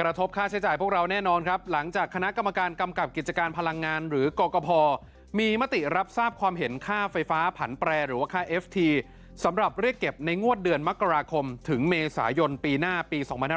กระทบค่าใช้จ่ายพวกเราแน่นอนครับหลังจากคณะกรรมการกำกับกิจการพลังงานหรือกรกภมีมติรับทราบความเห็นค่าไฟฟ้าผันแปรหรือว่าค่าเอฟทีสำหรับเรียกเก็บในงวดเดือนมกราคมถึงเมษายนปีหน้าปี๒๕๖๐